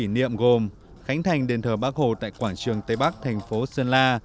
niệm gồm khánh thành đền thờ bắc hồ tại quảng trường tây bắc thành phố sơn la